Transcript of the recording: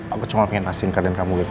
aku cuma pengen asingkan dan kamu bebek aja